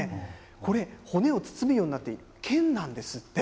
これ、骨を包むようになっているけんなんですって。